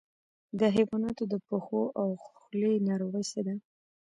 د حیواناتو د پښو او خولې ناروغي څه ده؟